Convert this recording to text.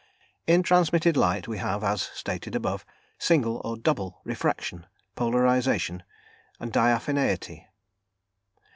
In transmitted light we have, as stated above, single or double refraction, polarisation, and diaphaneity.